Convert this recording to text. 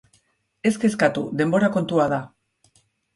Ez keztatu, denbora kontua da.